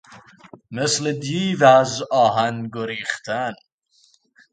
مثل دیو از آهن گریختن